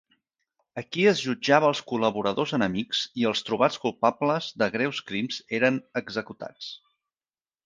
Aquí es jutjava els col·laboradors enemics i els trobats culpables de greus crims eren executats.